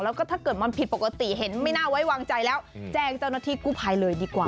แล้วก็ถ้าเกิดมันผิดปกติเห็นไม่น่าไว้วางใจแล้วแจ้งเจ้าหน้าที่กู้ภัยเลยดีกว่า